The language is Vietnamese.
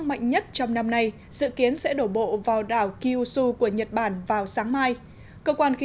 mạnh nhất trong năm nay dự kiến sẽ đổ bộ vào đảo kyushu của nhật bản vào sáng mai cơ quan khí